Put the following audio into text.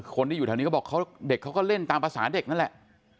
คนที่อยู่แถวนี้ก็บอกเด็กเขาก็เล่นตามภาษาเด็กนั่นแหละ